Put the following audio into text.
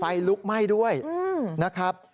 ลุกไหม้ด้วยนะครับ